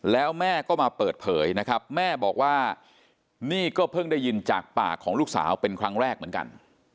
แล้วแม่ก็มาเปิดเผยนะครับแม่บอกว่านี่ก็เพิ่งได้ยินจากปากของลูกสาวเป็นครั้งแรกเหมือนกัน